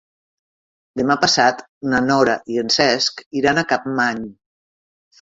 Demà passat na Nora i en Cesc iran a Capmany.